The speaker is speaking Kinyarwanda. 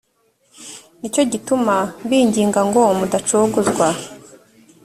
ni cyo gituma mbinginga ngo mudacogozwa